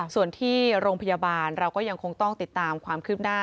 ส่วนที่โรงพยาบาลเราก็ยังคงต้องติดตามความคืบหน้า